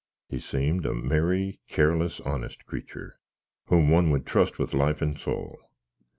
He seemed a merry, careless, honest cretur, whom one would trust with life and soul.